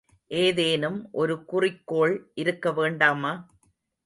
ஏதேனும் ஒரு குறிக்கோள் இருக்க வேண்டாமா?